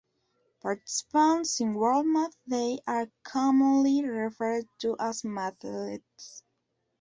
Participants in World Math Day are commonly referred to as mathletes.